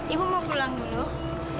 ibu mau pulang dulu